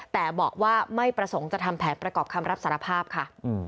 แต่บอกว่าไม่ประสงค์จะทำแผนประกอบคำรับสารภาพค่ะ